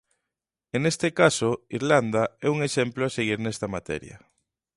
E neste caso Irlanda é un exemplo a seguir nesta materia.